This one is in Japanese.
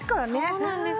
そうなんですよ。